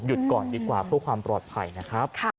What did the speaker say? ก่อนดีกว่าเพื่อความปลอดภัยนะครับ